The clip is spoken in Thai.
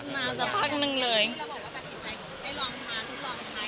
แล้วบอกว่าก็ตัดสินใจได้ลองทานทุกลองใช้